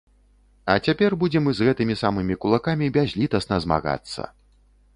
А цяпер будзем з гэтымі самымі кулакамі бязлітасна змагацца.